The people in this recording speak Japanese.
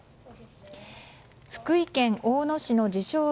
福井県大野市の自称